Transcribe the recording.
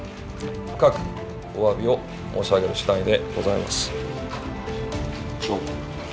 深くおわびを申し上げるしだいでございます。